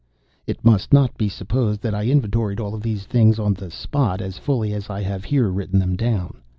It must not be supposed that I inventoried all these things on the spot as fully as I have here written them down.